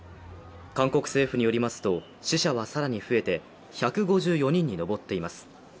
韓国政府によりますと死者は更に増えて１５４人に上っています。